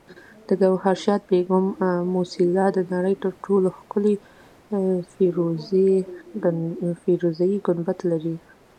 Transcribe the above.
د ګوهرشاد بیګم موسیلا د نړۍ تر ټولو ښکلي فیروزي ګنبد لري